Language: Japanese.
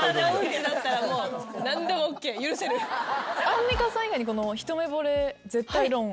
アンミカさん以外に一目ぼれ絶対論。